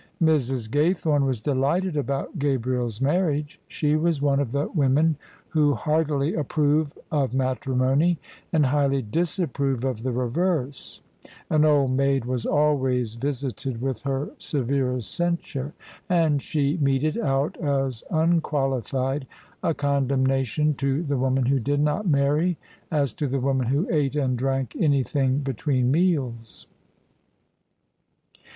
Mrs. Gaythorne was delighted about Gabriel's marriage. She was one of the women who heartily approve of matri mony, and highly disapprove of the reverse: an old maid was always visited with her severest censure: and she meted out as imqualified a condemnation to the woman who did not marry as to the woman who ate and drank anything between meals.